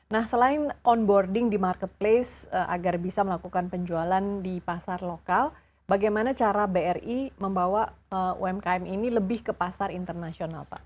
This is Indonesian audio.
nah selain onboarding di marketplace agar bisa melakukan penjualan di pasar lokal bagaimana cara bri membawa umkm ini lebih ke pasar internasional pak